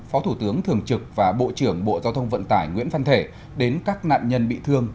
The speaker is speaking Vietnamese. phó thủ tướng thường trực và bộ trưởng bộ giao thông vận tải nguyễn văn thể đến các nạn nhân bị thương